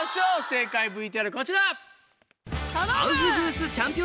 正解ＶＴＲこちら。